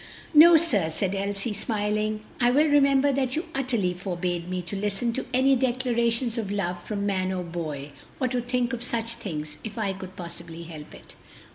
"No, sir," said Elsie, smiling, "I well remember that you utterly forbade me to listen to any declarations of love from man or boy, or to think of such things if I could possibly help it."